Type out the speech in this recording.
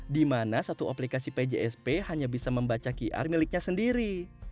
di mana satu aplikasi pjsp hanya bisa membaca qr miliknya sendiri